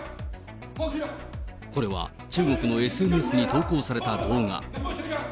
これは中国のＳＮＳに投稿された動画。